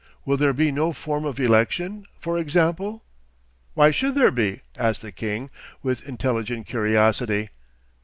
Will there be no form of election, for example?' 'Why should there be?' asked the king, with intelligent curiosity.